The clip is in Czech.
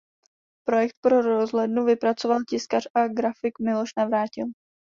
Projekt pro rozhlednu vypracoval tiskař a grafik Miloš Navrátil.